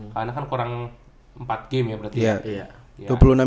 karena kan kurang empat game ya berarti